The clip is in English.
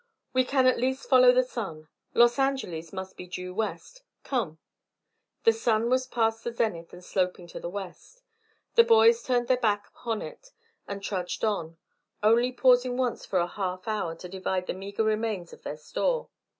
"We can at least follow the sun. Los Angeles must be due west. Come." The sun was past the zenith and sloping to the west. The boys turned their backs upon it and trudged on, only pausing once for a half hour to divide the meagre remains of their store.